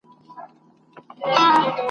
نور د سوال لپاره نه ځو په اسمان اعتبار نسته ..